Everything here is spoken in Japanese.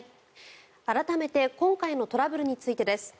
改めて今回のトラブルについてです。